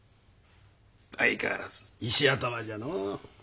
相変わらず石頭じゃのう。